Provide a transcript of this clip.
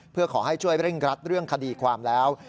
เพื่อขอให้ช่วยเร่งรัดเรื่องคดีความแล้ว